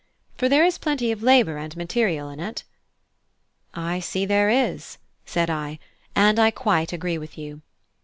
For there is plenty of labour and material in it." "I see there is," said I, "and I quite agree with you.